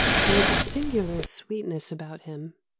There is a singular sweetness about him."